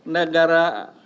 negara yang terbaik